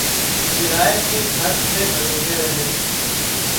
Kiray K Ghar Thay Badalty Rahay